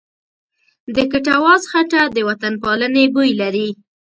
د کټواز خټه د وطنپالنې بوی لري.